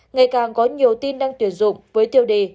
ngày càng có nhiều tiên năng tuyển dụng với tiêu đề